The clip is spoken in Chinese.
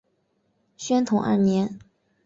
宣统二年。